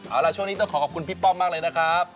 เอาล่ะช่วงนี้ต้องขอขอบคุณพี่ป้อมมากเลยนะครับ